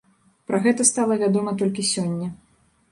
Пра гэта стала вядома толькі сёння.